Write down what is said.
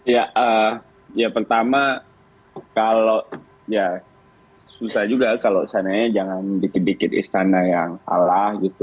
ya pertama kalau ya susah juga kalau seandainya jangan dikit dikit istana yang kalah gitu